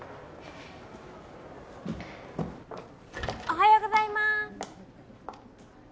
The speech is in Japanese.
おはようございます！